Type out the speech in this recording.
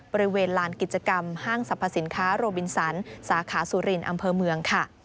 บริเวณลานกิจกรรมห้างสรรพสินค้าโรบินสันสาขาสุรินอำเภอเมืองค่ะ